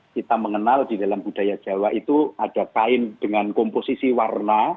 kita mengenal di dalam budaya jawa itu ada kain dengan komposisi warna